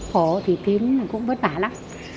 khổ thì tím cũng vất vả lắm